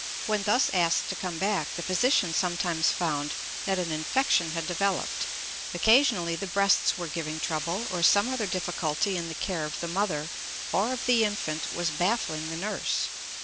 When thus asked to come back the physician sometimes found that an infection had developed; occasionally the breasts were giving trouble, or some other difficulty in the care of the mother or of the infant was baffling the nurse.